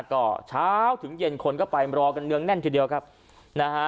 ก็เช้าถึงเย็นคนก็ไปรอกันเนืองแน่นทีเดียวครับนะฮะ